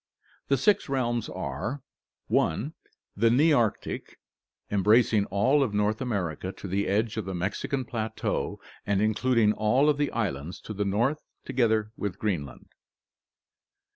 The six realms are: 1. The Nearctic (Gr. vios, new, and ap/cri/cds, arctic), embrac ing all of North America to the edge of the Mexican plateau and including all of the islands to the north, together with Green land.